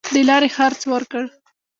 د لاري خرڅ ورکړ.